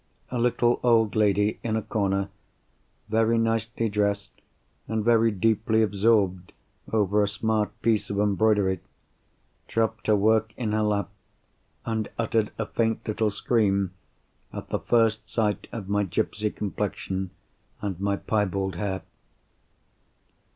A little old lady, in a corner, very nicely dressed, and very deeply absorbed over a smart piece of embroidery, dropped her work in her lap, and uttered a faint little scream at the first sight of my gipsy complexion and my piebald hair.